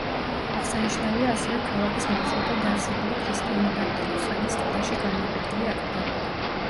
აღსანიშნავია ასევე ქალაქის მახლობლად არსებული ქრისტიანობამდელი ხანის კლდეში გამოკვეთილი აკლდამები.